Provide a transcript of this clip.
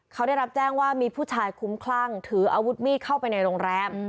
เขาได้รับแจ้งว่ามีผู้ชายคุ้มคลั่งถืออาวุธมีดเข้าไปในโรงแรม